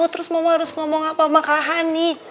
terus mama harus ngomong apa sama kak hani